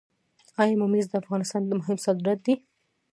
آیا ممیز د افغانستان مهم صادرات دي؟